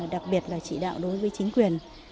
đặc biệt là chỉ đạo đối với chính quyền